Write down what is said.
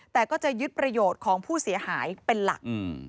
แต่ก็จะยึดประโยชน์ของผู้เสียหายเป็นหลัก